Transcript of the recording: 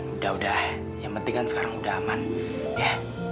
udah udah yang penting kan sekarang udah aman ya